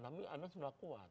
tapi anda sudah kuat